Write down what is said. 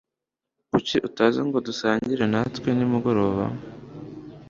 Kuki utaza ngo dusangire natwe nimugoroba?